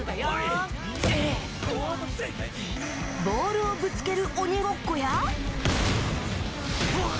ボールをぶつける鬼ごっこや。